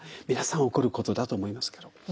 皆さん起こることだと思いますけど。